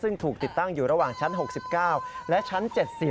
ซึ่งถูกติดตั้งอยู่ระหว่างชั้น๖๙และชั้น๗๔